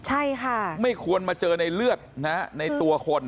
ใช่ค่ะไม่ควรมาเจอในเลือดนะฮะในตัวคน